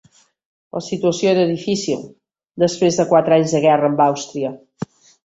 La situació era difícil després de quatre anys de guerra amb Àustria.